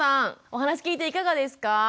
お話聞いていかがですか？